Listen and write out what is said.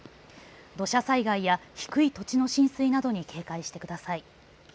土砂災害や低い土地の浸水などに警戒してください。